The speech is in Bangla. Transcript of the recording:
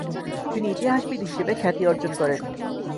তিনি ইতিহাসবিদ হিসেবে খ্যাতি অর্জন করেন।